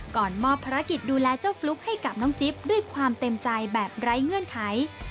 ก่อนมอบภารกิจดูแลเจ้าฟลุ๊กให้กับน้องจิ๊บด้วยความเต็มใจแบบไร้เงื่อนไข